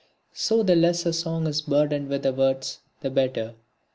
So the less a song is burdened with words the better.